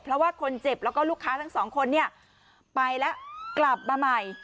เพราะว่าคนเจ็บแล้วก็ลูกค้าทั้งสองคนเนี่ยไปแล้วกลับมาใหม่